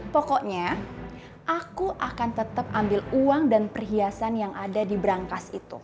pokoknya aku akan tetap ambil uang dan perhiasan yang ada di berangkas itu